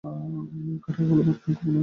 Carter হলেন মার্কিন গোপন এজেন্ট।